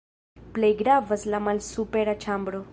Plej gravas la malsupera ĉambro.